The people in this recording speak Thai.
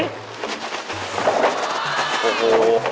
โอ้โห